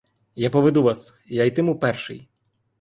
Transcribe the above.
Я поведу вас, я йтиму перший.